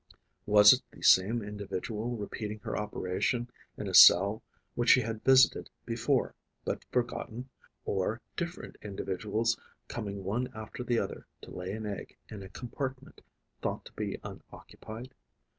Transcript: Was it the same individual repeating her operation in a cell which she had visited before but forgotten, or different individuals coming one after the other to lay an egg in a compartment thought to be unoccupied?